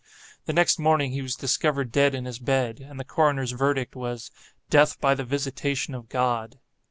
The next morning he was discovered dead in his bed, and the coroner's verdict was—"Death by the visitation of God."